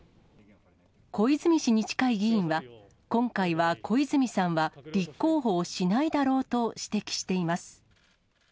小泉氏に近い議員は、今回は小泉さんは立候補をしないだろうと指摘しています。